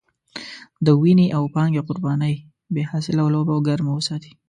د وينې او پانګې قربانۍ بې حاصله لوبه ګرمه وساتي.